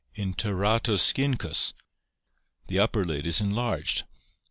In Teratoscincus the upper lid is enlarged.